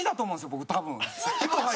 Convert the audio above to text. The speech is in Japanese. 僕多分。